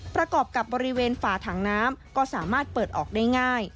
ประกอบกับบริเวณฝาถังน้ำก็สามารถเปิดออกได้ง่าย